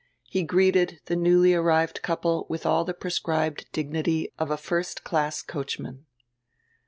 He greeted die newly arrived couple with all die prescribed dignity of a first class coachman.